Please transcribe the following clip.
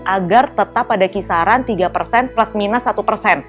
agar tetap ada kisaran tiga plus minus satu